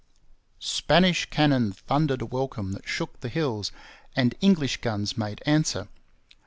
Spanish cannon thundered a welcome that shook the hills, and English guns made answer.